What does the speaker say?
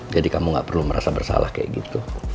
jadi kamu nggak perlu merasa bersalah kayak gitu